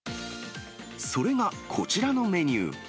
それがこちらのメニュー。